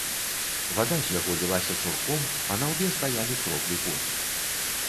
Вада з яго лілася цурком, а на лбе стаялі кроплі поту.